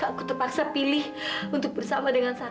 kak aku terpaksa pilih untuk bersama dengan sakti